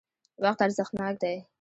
وقت ارزښتناک دی.